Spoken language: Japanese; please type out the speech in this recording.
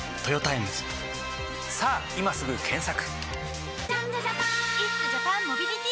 さぁ今すぐ検索！